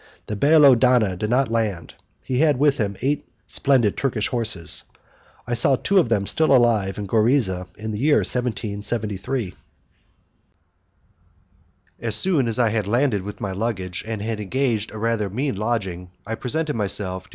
The Bailo Dona did not land. He had with him eight splendid Turkish horses; I saw two of them still alive in Gorizia in the year 1773. As soon as I had landed with my luggage, and had engaged a rather mean lodging, I presented myself to M.